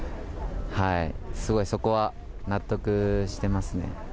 すごいそこは納得してますね。